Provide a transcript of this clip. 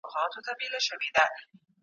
سرمایه داري هم په افراط کي ډوبه ده.